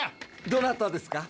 どなたですか？